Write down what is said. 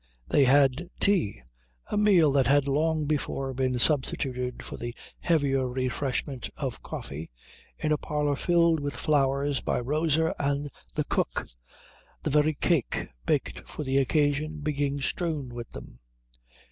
They had tea, a meal that had long before been substituted for the heavier refreshment of coffee, in a parlour filled with flowers by Rosa and the cook, the very cake, baked for the occasion, being strewn with them.